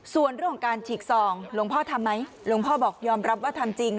ส่วนเรื่องของการฉีกซองหลวงพ่อทำไหมหลวงพ่อบอกยอมรับว่าทำจริง